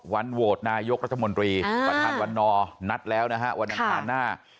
วันโหวตนายกรัฐมนตรีประธานวันนอร์นัดแล้วนะฮะวันอังคารหน้า